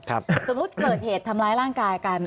สมมุติเกิดเหตุทำร้ายร่างกายกัน